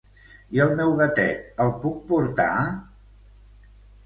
I el meu gatet, el puc portar?